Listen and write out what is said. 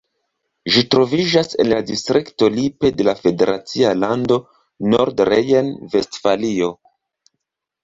Ĝi troviĝas en la distrikto Lippe de la federacia lando Nordrejn-Vestfalio.